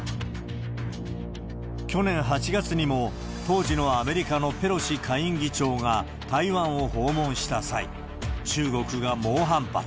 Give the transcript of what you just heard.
去年８月にも、当時のアメリカのペロシ下院議長が台湾を訪問した際、中国が猛反発。